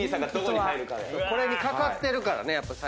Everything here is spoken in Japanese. これに懸かってるからね最初。